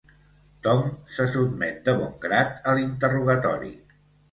Tom se sotmet de bon grat a l'interrogatori.